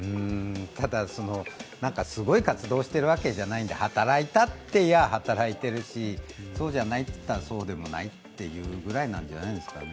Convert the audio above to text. ただ、すごい活動をしているわけじゃないんで働いたっていえば働いているし、そうじゃないって言ったらそうじゃないってぐらいなんじゃないですかね。